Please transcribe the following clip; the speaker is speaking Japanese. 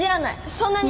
そんなに。